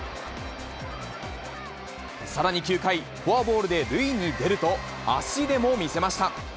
さらに９回、フォアボールで塁に出ると、足でも見せました。